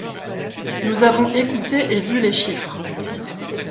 Nous avons écouté et vu les chiffres.